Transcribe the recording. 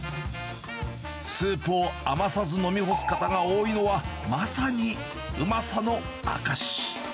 スープを余さず飲み干す方が多いのは、まさにうまさの証し。